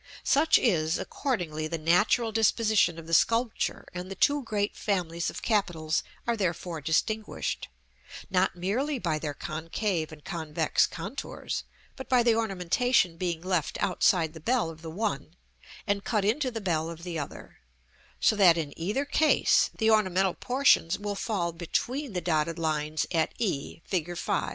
Such is, accordingly, the natural disposition of the sculpture, and the two great families of capitals are therefore distinguished, not merely by their concave and convex contours, but by the ornamentation being left outside the bell of the one, and cut into the bell of the other; so that, in either case, the ornamental portions will fall between the dotted lines at e, Fig. V.